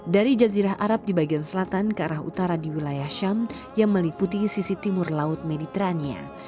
dari jazirah arab di bagian selatan ke arah utara di wilayah syam yang meliputi sisi timur laut mediterania